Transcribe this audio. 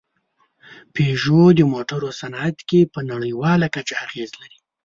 پيژو د موټرو صنعت کې په نړۍواله کچه اغېز لري.